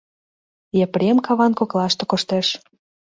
Епрем каван коклаште коштеш.